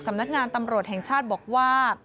สำนักงานตำรวจแห่งชาติบอกว่า